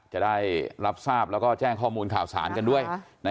จะได้รับทราบแล้วก็แจ้งข้อมูลข่าวสารกันด้วย